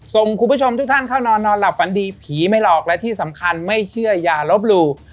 คุณผู้ชมทุกท่านเข้านอนนอนหลับฝันดีผีไม่หลอกและที่สำคัญไม่เชื่ออย่าลบหลู่